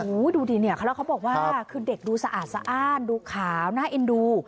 โอ้โฮดูดิเขาบอกว่าเด็กดูสะอาดสะอ้านดูขาวหน้าอินดู